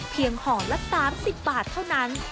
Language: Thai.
เพียงหอละ๓๐บาทเท่านั้น